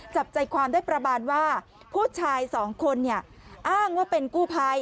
จับใจความได้ประมาณว่าผู้ชายสองคนอ้างว่าเป็นกู้ภัย